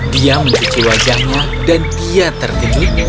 dia mencuci wajahnya dan dia terkejut